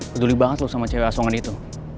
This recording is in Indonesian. peduli banget loh sama cewek asongan itu